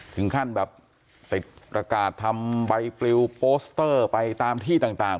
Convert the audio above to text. ถึงขั้นแบบติดประกาศทำใบปลิวโปสเตอร์ไปตามที่ต่าง